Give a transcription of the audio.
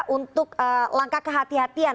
untuk langkah kehatian hatian